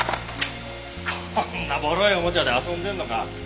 こんなボロいおもちゃで遊んでんのか？